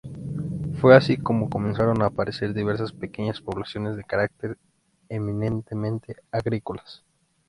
Fue así como comenzaron a aparecer diversas pequeñas poblaciones de carácter eminentemente agrícolas.